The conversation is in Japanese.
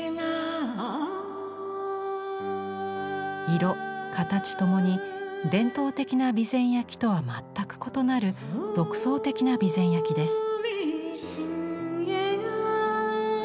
色形ともに伝統的な備前焼とは全く異なる独創的な備前焼です。